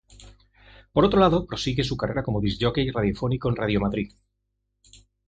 Por otro lado, prosigue su carrera como Disc jockey radiofónico en Radio Madrid.